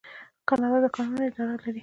کاناډا د کانونو اداره لري.